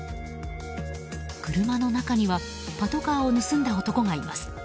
車の中にはパトカーを盗んだ男がいます。